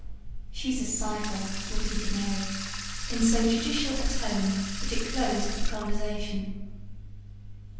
"She's a cipher," repeated Mary, in so judicial a tone that it closed the conversation.